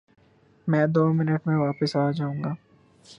میں دو منٹ میں واپس آ جاؤں گا